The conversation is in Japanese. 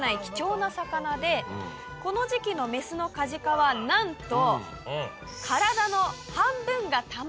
この時期のメスのカジカはなんと。